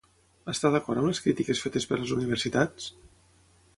Està d'acord amb les crítiques fetes per les universitats?